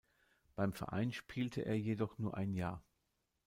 Beim Verein spielte er jedoch nur ein Jahr.